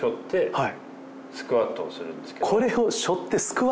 はい。